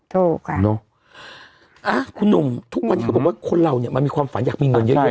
ถูกป่ะคุณหนุ่มทุกวันอยากบอกว่าคนเรามันมีความฝันอยากมีเงินเยอะมั้ย